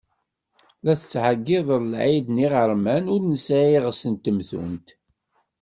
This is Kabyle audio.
Ad tettɛeggideḍ lɛid n iɣerman ur nesɛi iɣes n temtunt.